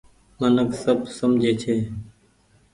منک سب سمجهي ڇي۔